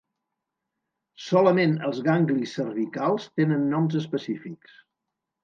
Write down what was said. Solament els ganglis cervicals tenen noms específics.